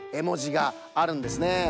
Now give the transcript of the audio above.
もじがあるんですね。